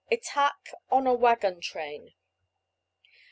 ATTACK ON A WAGGON TRAIN.